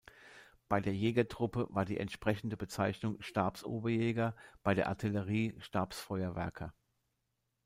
Bei der Jägertruppe war die entsprechende Bezeichnung "Stabs-Oberjäger", bei der Artillerie "Stabs-Feuerwerker".